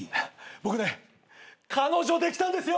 僕ね彼女できたんですよ！